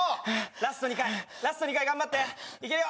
ラスト２回ラスト２回頑張っていけるよ！